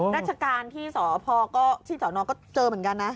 ราชการที่สอก็เจอเหมือนกันนะ